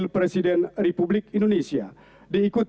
pemberian ucapan selamat